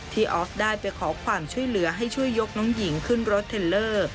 ออฟได้ไปขอความช่วยเหลือให้ช่วยยกน้องหญิงขึ้นรถเทลเลอร์